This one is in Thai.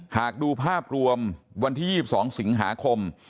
หากดูภาพรวมวันที่๒๒สิงหาคม